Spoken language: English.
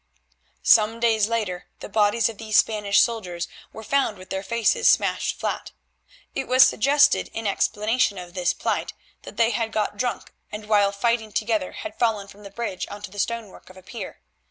Some days later the bodies of these Spanish soldiers were found with their faces smashed flat. It was suggested in explanation of this plight, that they had got drunk and while fighting together had fallen from the bridge on to the stonework of a pier.